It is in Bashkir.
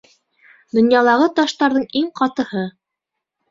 Донъялағы таштарҙың иң ҡатыһы!